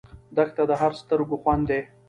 دښته د هر سترګو خوند دی.